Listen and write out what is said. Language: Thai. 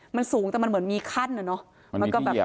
มันสูงแต่มันเหมือนมีขั้นอะเนาะ